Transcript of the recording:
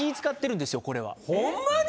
ホンマに！？